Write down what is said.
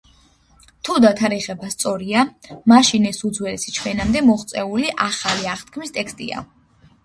თუ დათარიღება სწორია, მაშინ ეს უძველესი ჩვენამდე მოღწეული ახალი აღთქმის ტექსტია.